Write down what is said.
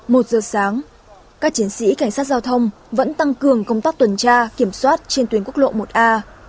một giờ sáng các chiến sĩ cảnh sát giao thông vẫn tăng cường công tác tuần tra kiểm soát trên tuyến quốc lộ một a